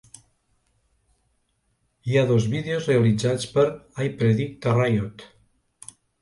Hi ha dos vídeos realitzats per "I Predict a Riot".